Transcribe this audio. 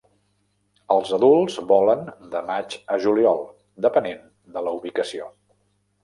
Els adults volen de maig a juliol, depenent de la ubicació.